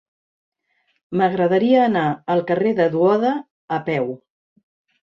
M'agradaria anar al carrer de Duoda a peu.